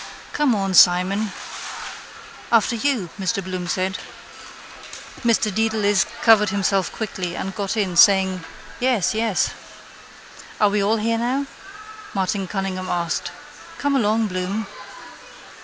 —Come on, Simon. —After you, Mr Bloom said. Mr Dedalus covered himself quickly and got in, saying: —Yes, yes. —Are we all here now? Martin Cunningham asked. Come along, Bloom.